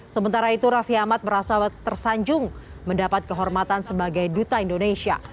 sementara itu raffi ahmad merasa tersanjung mendapat kehormatan sebagai duta indonesia